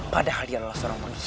padahal dia lelah seorang pengkhianat